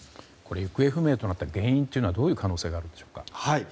行方不明となった原因はどういう可能性があるんでしょうか？